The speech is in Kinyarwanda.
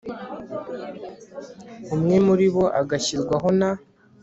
umwe muri bo agashyirwaho na